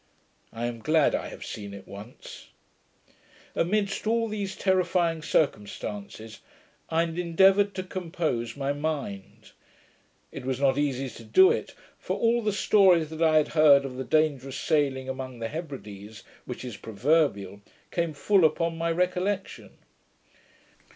I am glad I have seen it once. Amidst all these terrifying circumstances, I endeavoured to compose my mind. It was not easy to do it; for all the stories that I had heard of the dangerous sailing among the Hebrides, which is proverbial, came full upon my recollection.